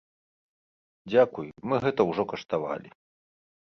Дзякуй, мы гэта ўжо каштавалі.